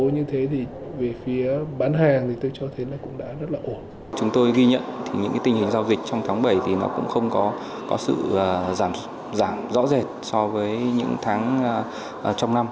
những tình hình giao dịch trong tháng bảy cũng không có sự giảm rõ rệt so với những tháng trong năm